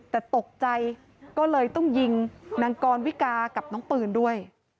แต่ตกใจก็เลยต้องยิงนางกรวิกากับน้องปืนด้วย